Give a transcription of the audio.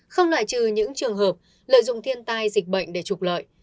không loại trừ những trường hợp lợi dụng thiên tai dịch bệnh để trục lợi